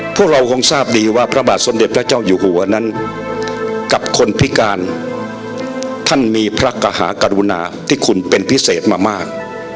พวกเราคงทราบดีว่าพระบาทสมเด็จพระเจ้าอยู่หัวนั้นกับคนพิการท่านมีพระกหากรุณาที่คุณเป็นพิเศษมามาก